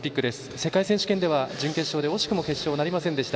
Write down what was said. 世界選手権では準決勝で惜しくも決勝なりませんでした。